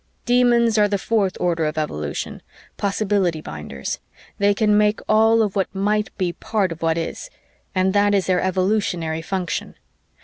"Demons are the fourth order of evolution, possibility binders they can make all of what might be part of what is, and that is their evolutionary function.